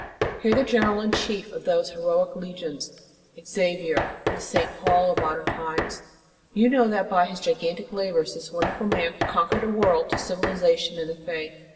Hear the general in chief of those heroic In the Nineteenth Century. 287 legions, Xavier, the St. Paul of modern times. You know that, by his gigantic labors, this wonderful man conquered a world to civiliza tion and the faith.